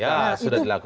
ya sudah dilakukan